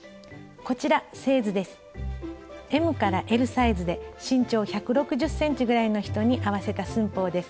ＭＬサイズで身長１６０ｃｍぐらいの人に合わせた寸法です。